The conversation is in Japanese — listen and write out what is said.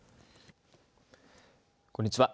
こんにちは。